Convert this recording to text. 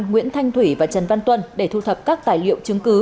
nguyễn thanh thủy và trần văn tuân để thu thập các tài liệu chứng cứ